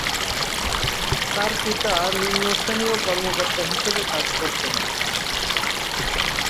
তার পিতা নিম্ন শ্রেণীয় কর্মকর্তা হিসেবে কাজ করতেন।